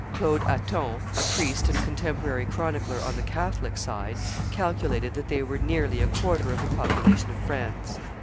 Claude Haton, a priest and contemporary chronicler on the Catholic side, calculated that they were nearly a quarter of the population of France.